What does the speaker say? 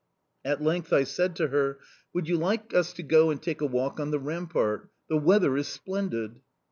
"At length I said to her: "'Would you like us to go and take a walk on the rampart? The weather is splendid.